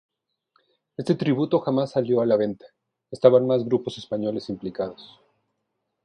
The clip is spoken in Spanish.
Este tributo jamás salió a la venta; estaban más grupos españoles implicados.